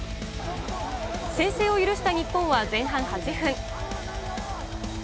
先制を許した日本は前半８分。